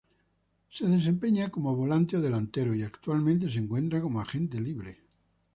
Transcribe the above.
Se desempeña como volante o delantero y actualmente se encuentra como agente libre.